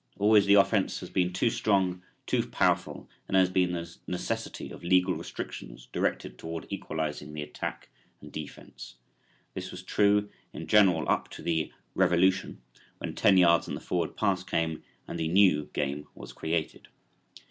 Always the offense has been too strong, too powerful, and there has been the necessity of legal restrictions directed toward equalizing the attack and defense. This was true in general up to the "revolution" when ten yards and the forward pass came and the "new" game was created.